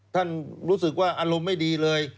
ท่านรู้สึกว่าอารมณ์ไม่ดีเลย